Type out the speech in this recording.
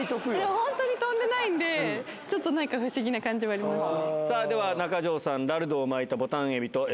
本当に飛んでないんで、ちょっとなんか不思議な感じはありますね。